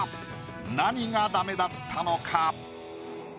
何がダメだったのか？